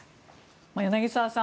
柳澤さん